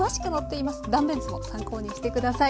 断面図も参考にして下さい。